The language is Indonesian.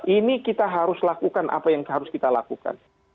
ini kita harus lakukan apa yang harus kita lakukan